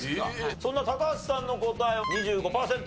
そんな高橋さんの答え２５パーセント。